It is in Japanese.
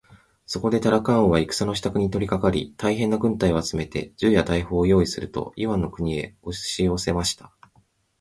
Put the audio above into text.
そこでタラカン王は戦のしたくに取りかかり、大へんな軍隊を集めて、銃や大砲をよういすると、イワンの国へおしよせました。